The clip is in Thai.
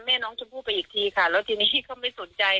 ก็ไม่รู้จักโอมใช่ไหมล่ะอืมอ่าครั้งแรกอ่ะที่เขาตะแคงแล้วก็คว่ำหน้า